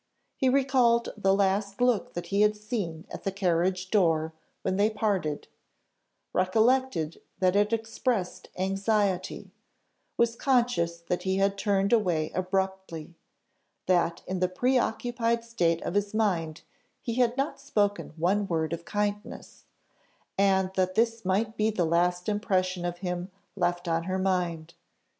He recalled the last look that he had seen at the carriage door when they parted, recollected that it expressed anxiety, was conscious that he had turned away abruptly that in the preoccupied state of his mind he had not spoken one word of kindness and that this might be the last impression of him left on her mind.